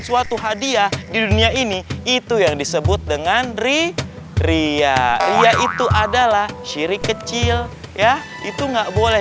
suatu hadiah di dunia ini itu yang disebut dengan riria iya itu adalah shiri kecil ya itu nggak boleh